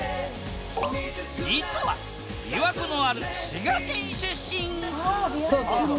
実はびわ湖のある滋賀県出身！